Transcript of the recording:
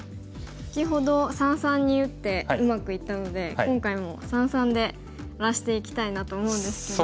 先ほど三々に打ってうまくいったので今回も三々で荒らしていきたいなと思うんですけど。